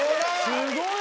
すごい！